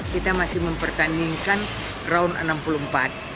kita masih mempertandingkan round enam puluh empat